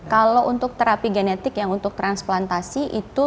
kalau untuk terapi genetik yang untuk transplantasi itu